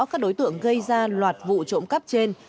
các đối tượng gây ra loạt vụ trộm cắp trên